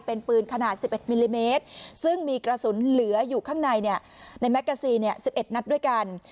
เป็นปืนขนาด๑๑มิลลิเมตรซึ่งมีกระสุนเหลืออยู่ข้างในในแกซี๑๑นัดด้วยกัน